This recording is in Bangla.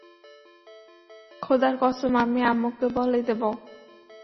খোদার কসম, আমি আম্মুকে বলে দেব।